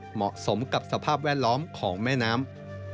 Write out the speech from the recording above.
เหมาะสมกับสภาพแวดล้อมของแม่น้ำ